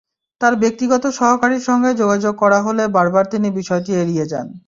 তাঁর ব্যক্তিগত সহকারীর সঙ্গে যোগাযোগ করা হলে বারবার তিনি বিষয়টি এড়িয়ে যান।